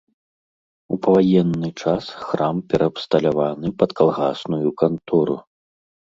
У паваенны час храм пераабсталяваны пад калгасную кантору.